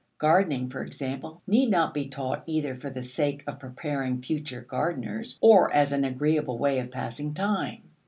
Gardening, for example, need not be taught either for the sake of preparing future gardeners, or as an agreeable way of passing time.